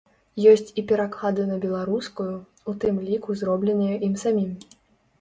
Ёсць і пераклады на беларускую, у тым ліку зробленыя ім самім.